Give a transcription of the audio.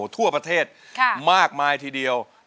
ทั่วประเทศมากมายทีเดียว